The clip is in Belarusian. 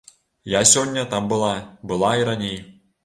Я сёння там была, была і раней.